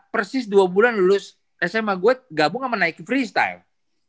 persis dua bulan lulus sma gue gabung sama nike freestyle